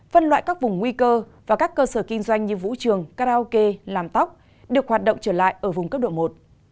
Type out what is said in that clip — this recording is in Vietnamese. phân loại các vùng nguy cơ và các cơ sở kinh doanh như vũ trường karaoke làm tóc được hoạt động trở lại ở vùng cấp độ một